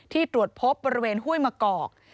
ตรวจพบบริเวณห้วยมะกอก